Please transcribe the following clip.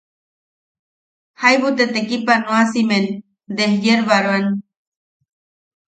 Jaibu ne tekipanoasimen desyerbaroan.